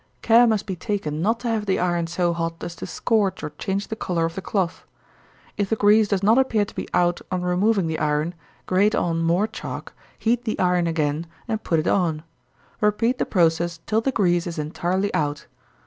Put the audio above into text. Care must be taken not to have the iron so hot as to scorch or change the color of the cloth. If the grease does not appear to be out on removing the iron, grate on more chalk, heat the iron again, and put it on. Repeat the process till the grease is entirely out.